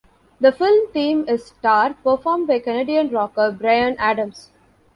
The film theme is "Star", performed by Canadian rocker Bryan Adams.